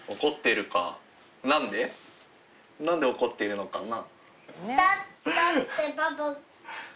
何で怒っているのかな？